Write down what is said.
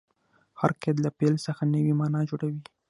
هر قید له فعل څخه نوې مانا جوړوي.